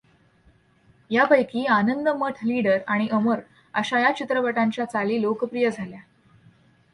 यापैकी आनंद मठ लीडर आणि अमर आशा या चित्रपटांच्या चाली लोकप्रिय झाल्या.